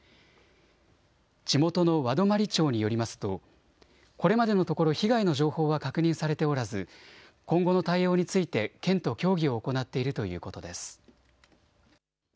地元の和泊町によりますとこれまでのところ被害の情報は確認されておらず今後の対応について県と協議を行っているということです。